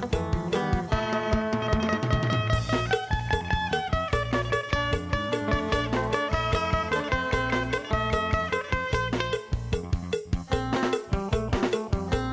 สนุนโดยอีซุสเอกสิทธิ์แห่งความสุข